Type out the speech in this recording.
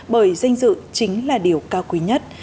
bởi danh dự chính là điều cao quý nhất